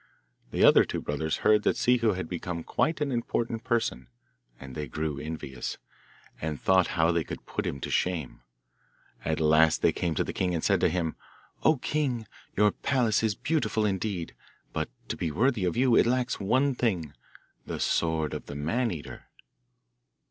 The other two brothers heard that Ciccu had become quite an important person, and they grew envious, and thought how they could put him to shame. At last they came to the king and said to him, 'O king! your palace is beautiful indeed, but to be worthy of you it lacks one thing the sword of the Man eater.